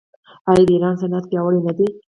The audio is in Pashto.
آیا د ایران صنعت پیاوړی نه دی؟